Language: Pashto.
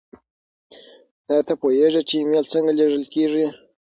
ایا ته پوهېږې چې ایمیل څنګه لیږل کیږي؟